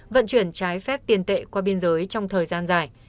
vận chuyển trái phép tiền tệ qua biên giới trong thời gian dài